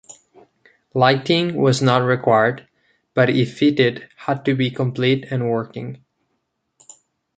Lighting was not required, but if fitted had to be complete and working.